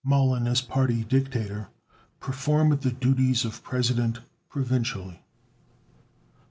Mollon, as party dictator, performed the duties of President provisionally.